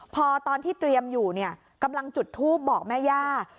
พอตอนที่เตรียมอยู่เนี่ยกำลังจุดทูปบอกแม่ย่า